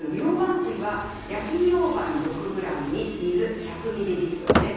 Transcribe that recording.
水は焼きミョウバン６ｇに水１００ミリリットルです。